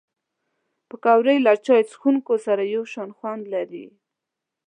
پکورې له چای څښونکو سره یو شان خوند لري